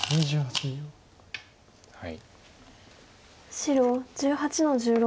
白１８の十六。